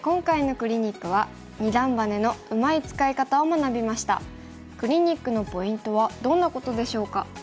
クリニックのポイントはどんなことでしょうか？